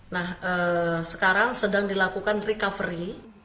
nah sekarang sedang dilakukan recovery